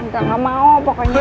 gak gak mau pokoknya